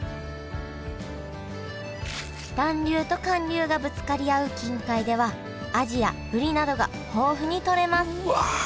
暖流と寒流がぶつかり合う近海ではアジやブリなどが豊富に取れますうわ